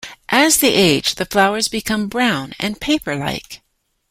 As they age, the flowers become brown and paper-like.